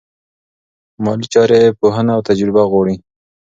مالي چارې پوهنه او تجربه غواړي.